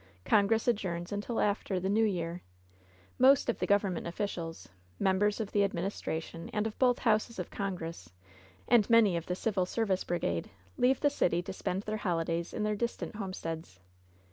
Congress adjourns until after New Year. Most of the government oflScials — members of the ad ministration and of both houses of Congress, and many of the civil service brigade, leave the city to spend their holidays in their distant homesteads.